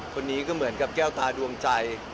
คนนี้ก็เหมือนกับแก้วตาดวงใจ